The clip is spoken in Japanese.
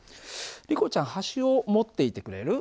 リコちゃん端を持っていてくれる？